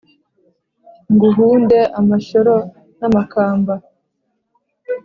nguhunde amashyoro n’amakamba,